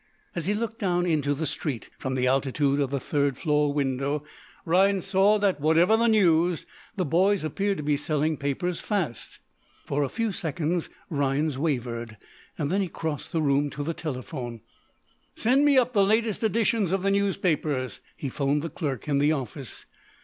As he looked down into the street, from the altitude of the third floor window, Rhinds saw that, whatever the news, the boys appeared to be selling papers fast. For a few seconds Rhinds wavered. Then he crossed the room to the telephone. "Send me up the latest editions of the newspapers," he 'phoned the clerk in the office.